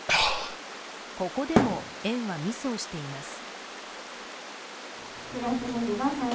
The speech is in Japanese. ここでも園はミスをしています。